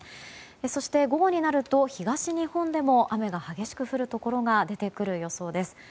そして午後になると東日本でも雨が激しく降るところが出てくる予想です。